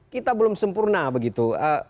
kita belum sempurna begitu